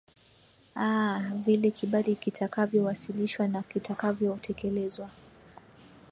aa vile kibali kitakavyo wasilishwa na kitakavyo tekelezwa